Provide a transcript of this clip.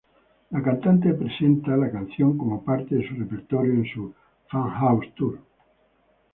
La cantante presente la canción como parte de su repertorio en su Funhouse tour.